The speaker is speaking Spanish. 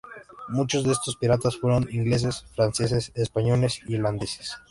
Muchos de estos piratas fueron ingleses, franceses, españoles y holandeses.